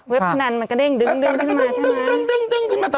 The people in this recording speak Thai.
เว็บพนันมันก็เด้งดึ๊งใช่ไหม